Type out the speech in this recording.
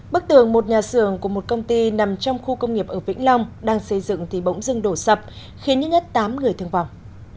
bức tường một nhà xưởng của một công ty nằm trong khu công nghiệp ở vĩnh long đang xây dựng thì bỗng dưng đổ sập khiến những nhất tám người thương vọng